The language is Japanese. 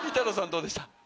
どうでした？